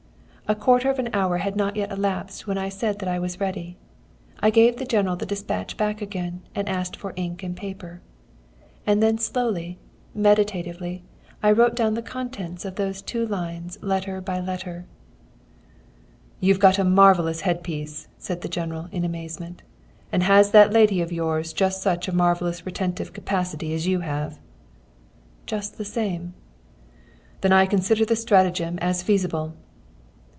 A quarter of an hour had not yet elapsed when I said that I was ready. I gave the General the despatch back again, and asked for ink and paper. And then slowly, meditatively, I wrote down the contents of those two lines letter by letter. "'You've got a marvellous headpiece,' said the General, in amazement. 'And has that lady of yours just such a marvellously retentive capacity as you have?' "'Just the same.' "'Then I consider the stratagem as feasible.'"